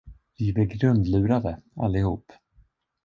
Vi blev grundlurade, allihop.